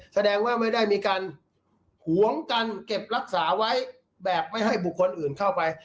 แสดงว่าไม่ได้มีการหวงกันเก็บรักษาไว้แบบไม่ให้บุคคลอื่นเข้าไป